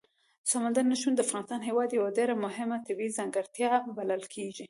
سمندر نه شتون د افغانستان هېواد یوه ډېره مهمه طبیعي ځانګړتیا بلل کېږي.